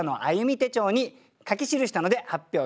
手帳に書き記したので発表いたします。